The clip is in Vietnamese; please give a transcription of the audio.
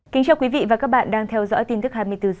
cảm ơn các bạn đã theo dõi